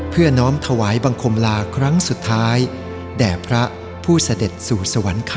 น้อมถวายบังคมลาครั้งสุดท้ายแด่พระผู้เสด็จสู่สวรรคา